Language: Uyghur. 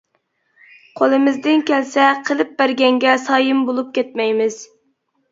قولىمىزدىن كەلسە قىلىپ بەرگەنگە سايىم بولۇپ كەتمەيمىز.